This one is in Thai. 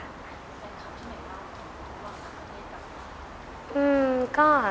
เป็นครับใช่ไหมคะว่าในประเทศกลับมา